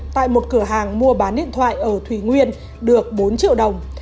tại một cửa hàng mua bán điện thoại ở thủy nguyên được bốn triệu đồng